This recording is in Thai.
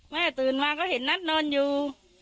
ตื่นมาก็เห็นนัทนอนอยู่